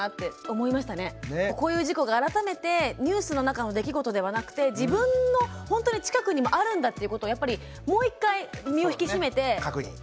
こういう事故が改めてニュースの中の出来事ではなくて自分のほんとに近くにもあるんだっていうことをやっぱりもう一回身を引き締めて家の中確認しましょう。